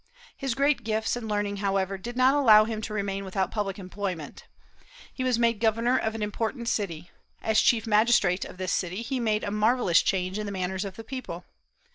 His great gifts and learning, however, did not allow him to remain without public employment. He was made governor of an important city. As chief magistrate of this city, he made a marvellous change in the manners of the people.